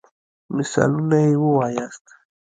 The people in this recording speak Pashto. مثالونه يي ووایاست.